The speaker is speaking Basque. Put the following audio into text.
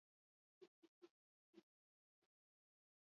Estazio bakoitzak bi ibilgailu karga ditzake aldi berean.